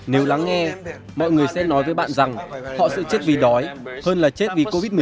nếu lắng nghe mọi người sẽ nói với bạn rằng họ sẽ chết vì đói hơn là chết vì covid một mươi chín